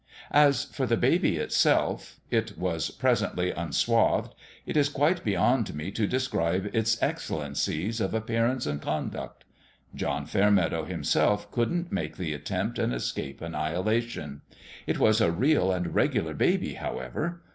As for the baby itself it was presently unswathed it is quite beyond me to describe its excellencies of appearance and conduct. John Fairmeadow himself couldn't make the attempt and escape annihilation. It was a real and regular baby, however.